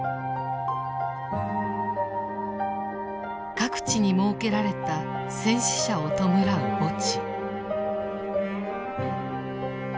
各地に設けられた戦死者を弔う墓地。